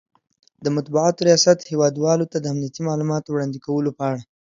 ،د مطبوعاتو ریاست هیواد والو ته د امنیتي مالوماتو وړاندې کولو په اړه